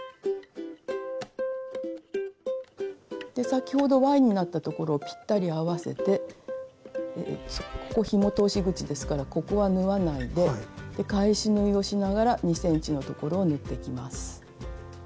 先ほどＹになった所をぴったり合わせてここひも通し口ですからここは縫わないでで返し縫いをしながら２ｃｍの所を縫っていきます。